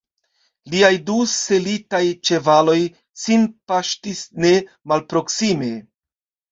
Liaj du selitaj ĉevaloj sin paŝtis ne malproksime.